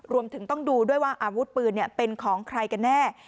รวมถึงต้องดูด้วยว่าอาวุธปืนเป็นของใครกันแน่